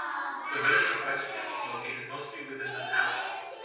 The Village of Westfield is located mostly within the town.